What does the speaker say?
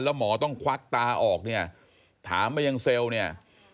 แล้วหมอต้องควักตาออกเนี่ยถามมายังเซลล์เนี่ย